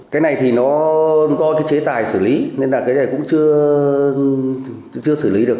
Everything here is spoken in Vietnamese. cái này thì nó do cái chế tài xử lý nên là cái này cũng chưa xử lý được